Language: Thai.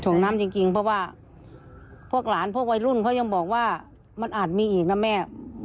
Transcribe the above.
น้ำจริงเพราะว่าพวกหลานพวกวัยรุ่นเขายังบอกว่ามันอาจมีอีกนะแม่